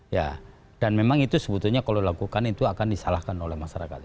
ya dan memang itu sebetulnya kalau dilakukan itu akan disalahkan oleh masyarakat